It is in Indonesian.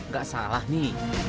gak salah nih